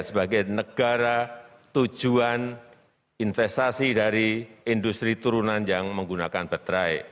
sebagai negara tujuan investasi dari industri turunan yang menggunakan baterai